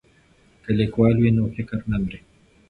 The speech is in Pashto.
که لیکوال وي نو فکر نه مري.